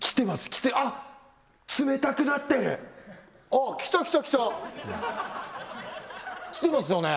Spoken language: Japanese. きてあっ冷たくなってるああきたきたきたきてますよね